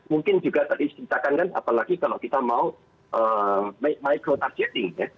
mungkin juga tadi ceritakan kan apalagi kalau kita mau micro targeting ya